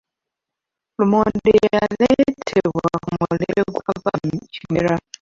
Lumonde yaleetebwa ku mulembe gwa Kabaka Kimera.